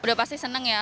sudah pasti senang ya